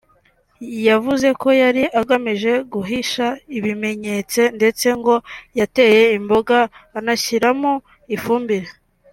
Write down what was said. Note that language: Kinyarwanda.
yavuze ko yari agamije guhisha ibimenyetse ndetse ngo yateye imboga anashyiramo ifumbire